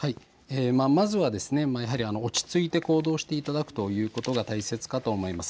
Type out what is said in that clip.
まずは落ち着いて行動をしていただくということが大切かと思います。